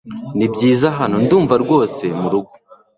Nibyiza hano, ndumva rwose murugo.